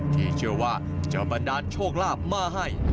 ที่เชื่อว่าจะบันดาลโชคลาภมาให้